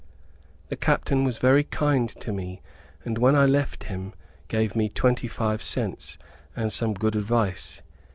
The captain was very kind to me and when I left him, gave me twenty five cents, and some good advice.